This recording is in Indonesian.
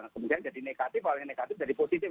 kemudian jadi negatif awalnya negatif jadi positif